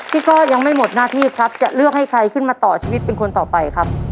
ก้อยยังไม่หมดหน้าที่ครับจะเลือกให้ใครขึ้นมาต่อชีวิตเป็นคนต่อไปครับ